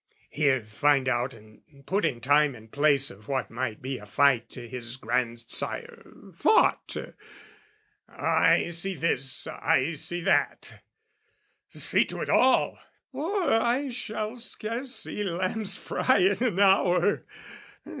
here find out and put in time and place Of what might be a fight his grandsire fought: "I see this I see that " See to it all, Or I shall scarce see lamb's fry in an hour!